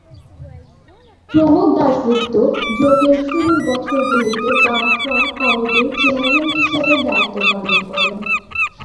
প্রমোদ দাশগুপ্ত জোটের শুরুর বছরগুলিতে বামফ্রন্ট কমিটির চেয়ারম্যান হিসাবে দায়িত্ব পালন করেন।